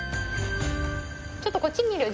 ちょっとこっち見る？